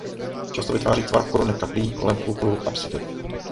Často vytváří tvar koruny kaplí kolem půlkruhu apsidy.